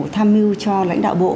tham mưu cho lãnh đạo bộ